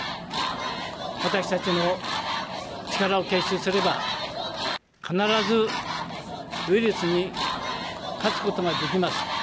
私たちの力を結集すれば、必ずウイルスに勝つことができます。